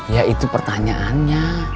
ya itu pertanyaannya